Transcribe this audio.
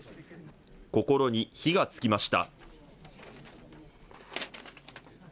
心に火がつきました。